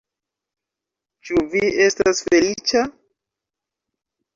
Ĉu vi estas feliĉa?